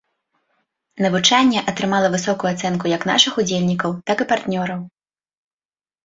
Навучанне атрымала высокую ацэнку як нашых удзельнікаў, так і партнёраў.